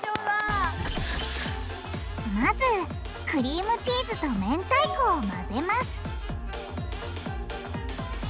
まずクリームチーズとめんたいこを混ぜます